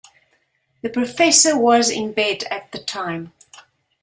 The professor was in bed at the time.